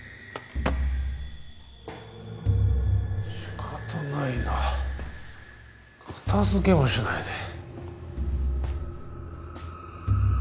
仕方ないな片付けもしないで